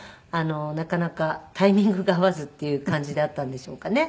なかなかタイミングが合わずっていう感じだったんでしょうかね。